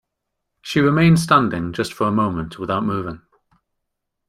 She remained standing just for a moment without moving.